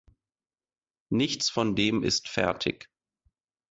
Nichts von dem ist fertig.